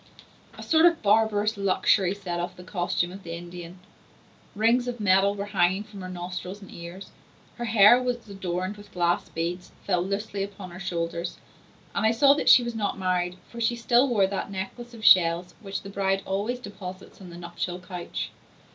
A sort of barbarous luxury set off the costume of the Indian; rings of metal were hanging from her nostrils and ears; her hair, which was adorned with glass beads, fell loosely upon her shoulders; and I saw that she was not married, for she still wore that necklace of shells which the bride always deposits on the nuptial couch.